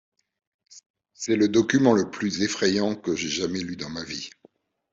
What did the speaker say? C'est le document le plus effrayant que j'aie jamais lu dans ma vie.